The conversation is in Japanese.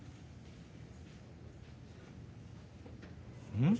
うん？